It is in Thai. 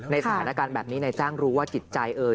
สถานการณ์แบบนี้นายจ้างรู้ว่าจิตใจเอ่ย